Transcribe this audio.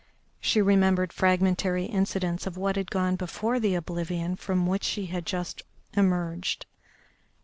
She remembered fragmentary incidents of what had gone before the oblivion from which she had just emerged.